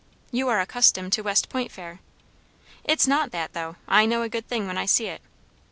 "You are accustomed to West Point fare." "It's not that, though. I know a good thing when I see it."